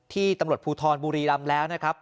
ที่ตำรวจภูทรบุรีรำแล้วนะครับ